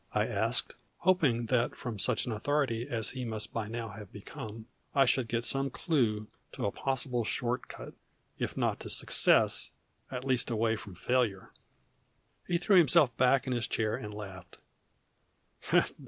I asked, hoping that from such an authority as he must by now have become I should get some clue to a possible short cut, if not to success, at least away from failure. He threw himself back in his chair and laughed.